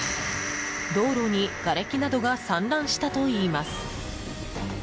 道路に、がれきなどが散乱したといいます。